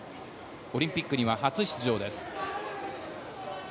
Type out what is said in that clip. オリンピックには初出場です。